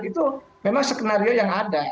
itu memang skenario yang ada